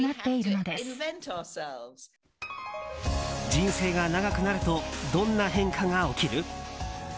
人生が長くなるとどんな変化が起きる？